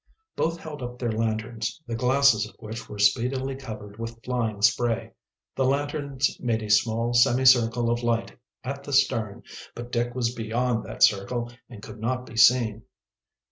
Both held up their lanterns, the glasses of which were speedily covered with flying spray. The lanterns made a small semicircle of light at the stern, but Dick was beyond that circle and could not be seen.